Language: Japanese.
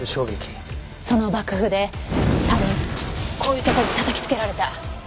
その爆風で多分こういうとこに叩きつけられた。